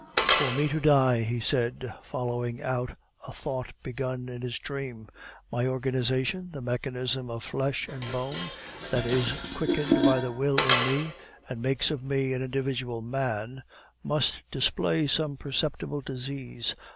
"For me to die," he said, following out a thought begun in his dream, "my organization, the mechanism of flesh and bone, that is quickened by the will in me, and makes of me an individual MAN, must display some perceptible disease.